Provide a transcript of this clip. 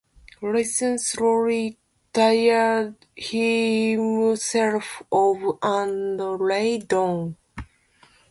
Linton slowly trailed himself off, and lay down.